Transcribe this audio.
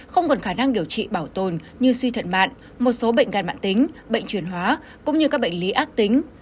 không còn khả năng điều trị bảo tồn như suy thận mạng một số bệnh gan mạng tính bệnh truyền hóa cũng như các bệnh lý ác tính